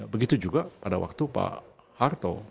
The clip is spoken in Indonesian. begitu juga pada waktu pak harto